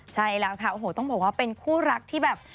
ใช่แล้วค่ะโอ้โหต้องบอกว่าเป็นคู่รักที่แบบ